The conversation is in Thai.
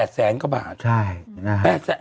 ๘แสนกว่าบาท